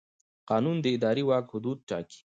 قانون د اداري واک حدود ټاکي.